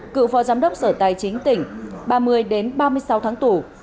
cựu phó giám đốc sở tài chính tỉnh ba mươi ba mươi sáu tháng tù